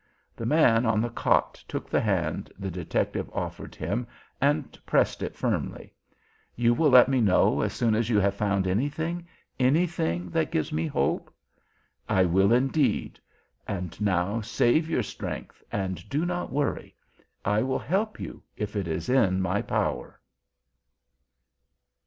The man on the cot took the hand the detective offered him and pressed it firmly. "You will let me know as soon as you have found anything anything that gives me hope?" "I will indeed. And now save your strength and do not worry. I will help you if it is in my power."